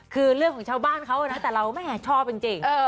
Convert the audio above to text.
คือเรื่องของชาวบ้านเขานะแต่เราแม่ชอบจริง